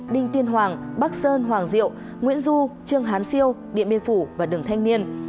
đinh tiên hoàng bắc sơn hoàng diệu nguyễn du trương hán siêu điện biên phủ và đường thanh niên